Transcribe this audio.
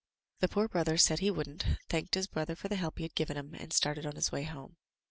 The poor brother said he wouldn't, thanked his brother for the help he had given him, and started on his way home.